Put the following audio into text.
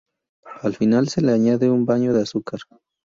Al final se le añade un baño de azúcar.